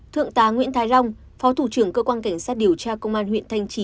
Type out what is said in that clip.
thượng tá nguyễn thái long phó thủ trưởng cơ quan cảnh sát điều tra công an huyện thanh trì